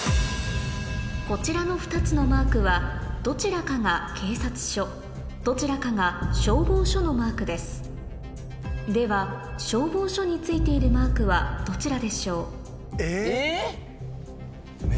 こちらの２つのマークはどちらかが警察署どちらかが消防署のマークですでは消防署に付いているマークはどちらでしょう？